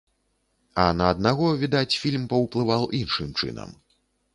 А на аднаго, відаць, фільм паўплываў іншым чынам.